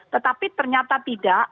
tetapi ternyata tidak